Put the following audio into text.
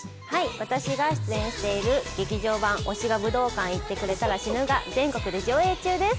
私が出演している「劇場版推しが武道館いってくれたら死ぬ」が全国で上映中です。